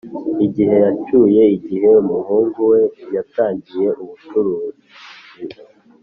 igihe yacyuye igihe, umuhungu we yatangiye ubucuruzi.